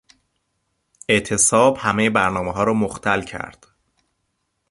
اعتصاب همهی برنامهها را مختل کرد.